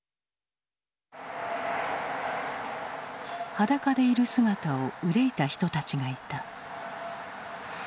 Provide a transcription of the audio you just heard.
裸でいる姿を憂えた人たちがいた。